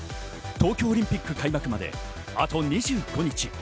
東京オリンピック開幕まであと２５日。